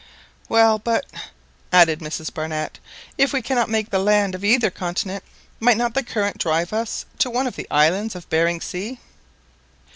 "Well, but," added Mrs Barnett, "if we cannot make the land of either continent, might not the current drive us on to one of the islands of Behring Sea?"